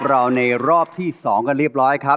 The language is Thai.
เราในรอบที่๒กันเรียบร้อยครับ